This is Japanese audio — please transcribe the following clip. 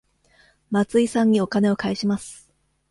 松井さんにお金を返します。